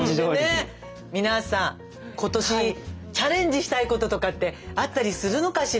皆さん今年チャレンジしたいこととかってあったりするのかしら。